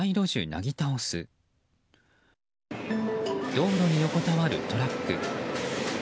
道路に横たわるトラック。